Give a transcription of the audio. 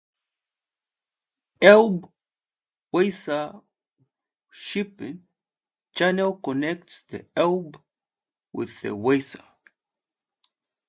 The Elbe-Weser Shipping Channel connects the Elbe with the Weser.